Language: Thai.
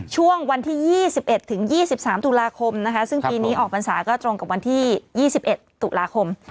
ช่วงวันที่๒๑๒๓ตุลาคมนะคะซึ่งปีนี้ออกพรรษาก็ตรงกับวันที่๒๑ตุลาคม